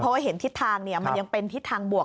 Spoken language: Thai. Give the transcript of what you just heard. เพราะว่าเห็นทิศทางมันยังเป็นทิศทางบวก